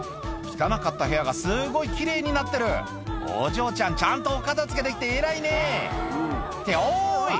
汚かった部屋がすごい奇麗になってるお嬢ちゃんちゃんとお片付けできて偉いねっておい！